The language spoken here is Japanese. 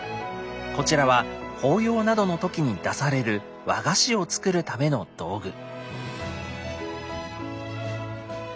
こちらは法要などの時に出される和菓子を作るための道具。